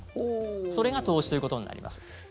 それが投資ということになります。